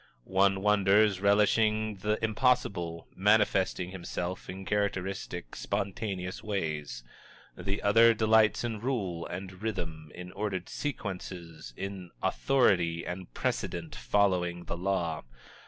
One wonders, relishing the impossible, manifesting himself in characteristic, spontaneous ways; the other delights in rule and rhythm, in ordered sequences, in authority and precedent, following the law.